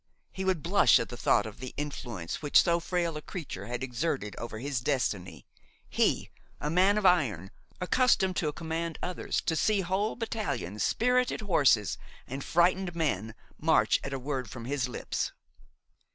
He would blush at the thought of the influence which so frail a creature had exerted over his destiny–he, a man of iron, accustomed to command others, to see whole battalions, spirited horses and frightened men march at a word from his lips.